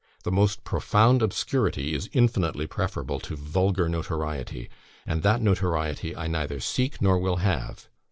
The most profound obscurity is infinitely preferable to vulgar notoriety; and that notoriety I neither seek nor will have.